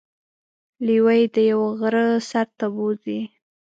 لیوه يې د یوه غره سر ته بوځي.